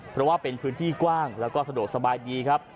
เพราะว่าเป็นพื้นที่กว้างแล้วก็สะดวกสบายดีครับ